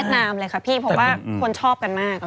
นามเลยค่ะพี่เพราะว่าคนชอบกันมาก